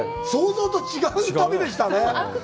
想像と違う旅でしたね。